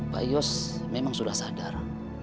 pak yos memang sudah sadar